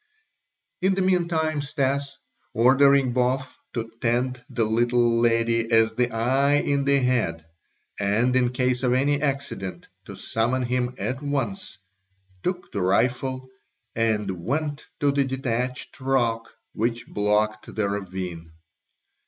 In the meantime Stas, ordering both to tend the little lady as the eye in the head and in case of any accident to summon him at once, took the rifle and went to the detached rock which blocked the ravine.